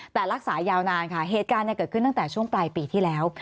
แต่รักษายาวนานค่ะเหตุการณ์เกิดขึ้นตั้งแต่ช่วงปลายปีที่แล้ว